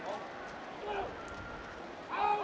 ขอบคุณทุกคน